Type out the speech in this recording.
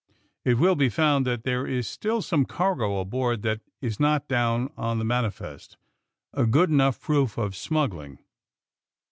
It will he found that there is still some cargo aboard that is not down on the mani fest — a good enough proof of smuggling.